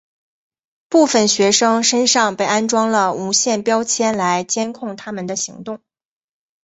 部分学生身上被安装了无线标签来监控他们的行动。